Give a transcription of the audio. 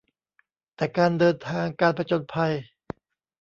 แต่การเดินทางการผจญภัย